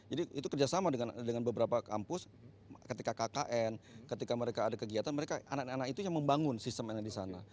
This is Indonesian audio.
jadi itu kerjasama dengan beberapa kampus ketika kkn ketika mereka ada kegiatan mereka anak anak itu yang membangun sistem yang ada di sana